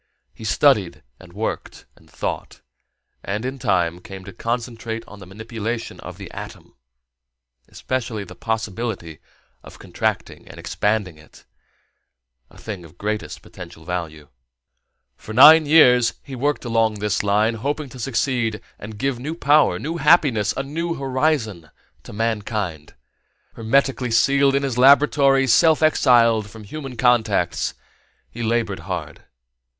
He studied and worked and thought, and in time came to concentrate on the manipulation of the atom, especially the possibility of contracting and expanding it a thing of greatest potential value. For nine years he worked along this line, hoping to succeed and give new power, new happiness, a new horizon to mankind. Hermetically sealed in his laboratory, self exiled from human contacts, he labored hard.